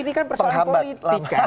ini kan persoalan politik